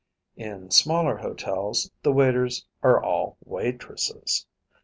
"] In smaller hotels, the waiters are all waitresses.